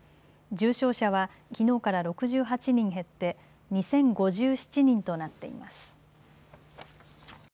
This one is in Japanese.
重症者はきのうから６８人減って２０５７人となっています。